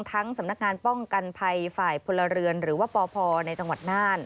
สำนักงานป้องกันภัยฝ่ายพลเรือนหรือว่าปพในจังหวัดน่าน